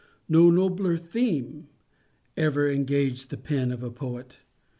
No nobler _theme _ever engaged the pen of poet.